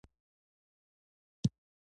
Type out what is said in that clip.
کتابچه د علم د پیل ټکی دی